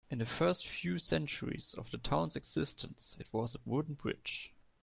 In the first few centuries of the town's existence, it was a wooden bridge.